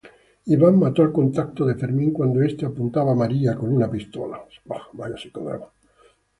Iván mató al contacto de Fermín cuando este apuntaba a María con una pistola.